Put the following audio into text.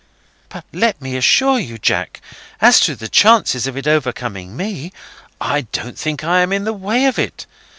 But let me reassure you, Jack, as to the chances of its overcoming me. I don't think I am in the way of it.